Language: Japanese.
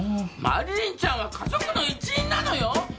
マリリンちゃんは家族の一員なのよ！